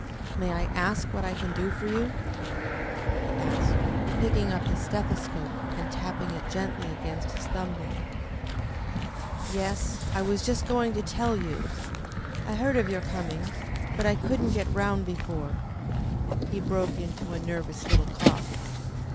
"May I ask what I can do for you?" he asked, picking up his stethoscope and tapping it gently against his thumb nail. "Yes, I was just going to tell you. I heard of your coming, but I couldn't get round before " He broke into a nervous little cough.